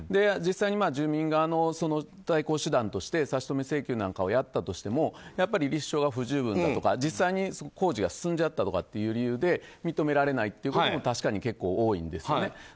実際に住民側の対抗手段として差し止め請求なんかをやったとしてもやっぱり立証が不十分だとか実際に工事が進んじゃったという理由で認められないということも確かに結構多いんですよね。